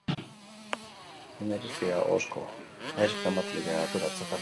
Zein da irizpidea ahozko adierazpen bat literaturatzat hartzeko?